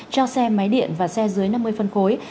cho xe máy điện và xe dưới năm mươi phân khối